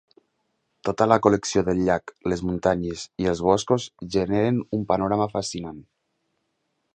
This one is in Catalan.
Tota la col·lecció del llac, les muntanyes i els boscos generen un panorama fascinant.